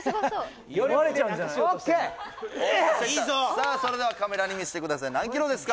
さあそれではカメラに見せてください何キロですか？